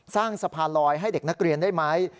สร้างทรัพยาประรอยให้เด็กนักเรียนได้ไหม